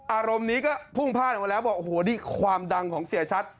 อารมณ์นี้ก็พุ่งพลาดออกมาแล้วบอกโอ้โหนี่ความดังของเสียชัด